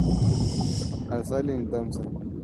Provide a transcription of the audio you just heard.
Asali ni tamu sana